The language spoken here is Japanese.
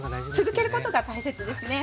続けることが大切ですね。